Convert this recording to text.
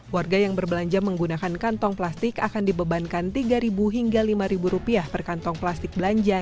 warga yang berbelanja menggunakan kantong plastik akan dibebankan rp tiga hingga rp lima per kantong plastik belanja